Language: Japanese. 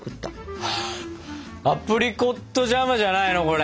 アプリコットジャムじゃないのこれ！